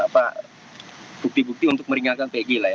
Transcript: bukti bukti untuk meringankan peggy lah ya